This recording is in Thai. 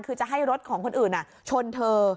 คือจะให้รถของคนอื่นชนเธอ